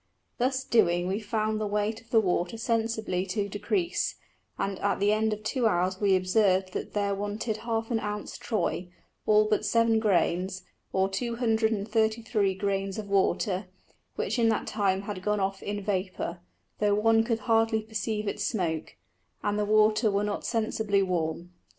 Doing thus we found the weight of the Water sensibly to decrease; and at the end of two hours we observed that there wanted half an Ounce Troy, all but 7 grains, or 233 grains of Water, which in that time had gone off in Vapour; tho' one could hardly perceive it smoke, and the Water were not sensibly warm.